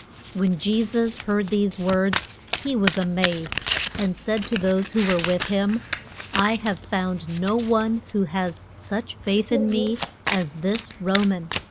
] When Je sus heard these words he was a mazed, and said to those who were with him, I have found no one who has such faith in me as this Ro man.